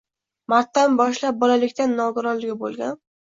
Martdan boshlab bolalikdan nogironligi boʻlgan